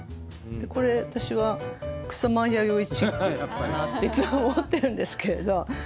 これ、私は草間彌生チックかなっていつも思ってるんですけれど。